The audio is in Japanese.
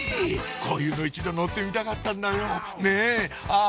こういうの一度乗ってみたかったんだよねぇあっ！